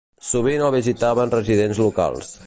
Sovint el visitaven residents locals.